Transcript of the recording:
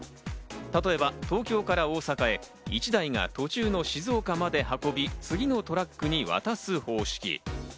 例えば東京から大阪へ１台が途中の静岡まで運び、次のトラックに渡す方式。